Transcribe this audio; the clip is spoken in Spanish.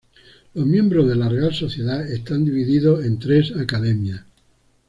Los miembros de la Real Sociedad están divididos en tres academias.